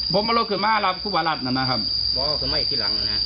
เพราะว่าวันที่